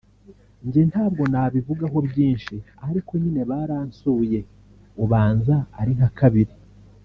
Njye ntabwo nabivugaho byinshi ariko nyine baransuye ubanza ari nka kabiri